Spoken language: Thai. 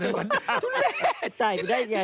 ทุ่มแม่